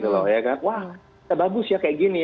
wah bagus ya kayak gini